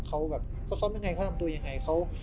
เขาซ่อมยังไงเขาทำตัวยังไง